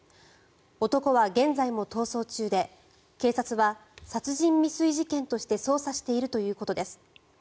男は現在も逃走中で警察は殺人未遂事件として捜査しているということです。